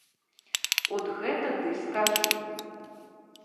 От гэта ты скажы.